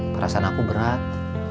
perasaan aku berat